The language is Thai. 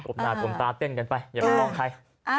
หน้ากบตาเต้นกันไปอย่าไปมองใคร